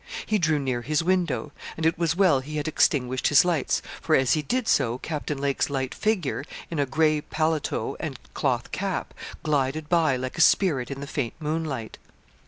He drew near his window; and it was well he had extinguished his lights, for as he did so, Captain Lake's light figure, in a gray paletot and cloth cap, glided by like a spirit in the faint moonlight.